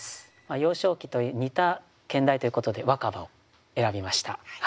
「幼少期」と似た兼題ということで「若葉」を選びました。